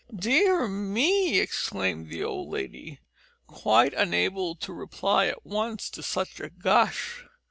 "Dear me!" exclaimed the old lady, quite unable to reply at once to such a gush.